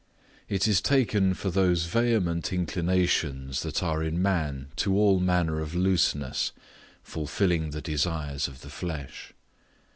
It is taken for those vehement inclinations that are in man to all manner of looseness, fulfilling the desires of the flesh.